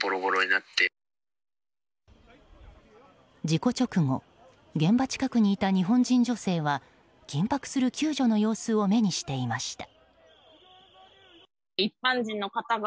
事故直後、現場近くにいた日本人女性は緊迫する救助の様子を目にしていました。